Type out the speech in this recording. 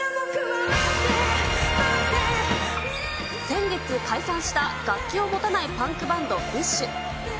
先月解散した、楽器を持たないパンクバンド、ＢｉＳＨ。